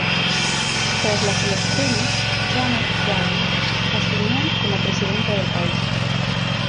Tras las elecciones, Janet Jagan asumió como Presidenta del país.